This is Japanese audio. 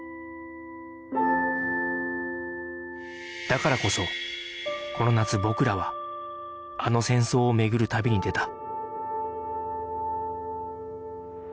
だからこそこの夏僕らはあの戦争を巡る旅に出た